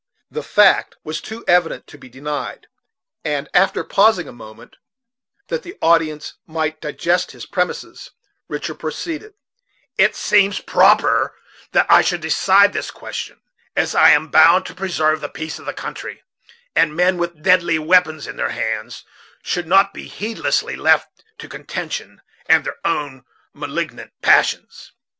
The fact was too evident to be denied, and after pausing a moment, that the audience might digest his premises, Richard proceeded: "It seems proper that I should decide this question, as I am bound to preserve the peace of the county; and men with deadly weapons in their hands should not be heedlessly left to contention and their own malignant passions.